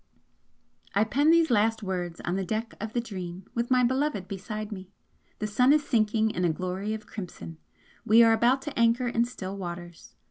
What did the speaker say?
I pen these last words on the deck of the 'Dream' with my Beloved beside me. The sun is sinking in a glory of crimson we are about to anchor in still waters.